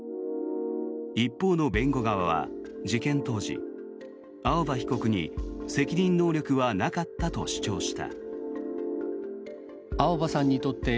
一方の弁護側は事件当時青葉被告に責任能力はなかったと主張した。